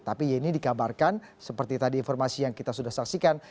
tapi yeni dikabarkan seperti tadi informasi yang kita sudah saksikan